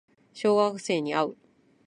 小学生に会う